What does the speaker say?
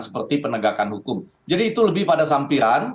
seperti penegakan hukum jadi itu lebih pada sampiran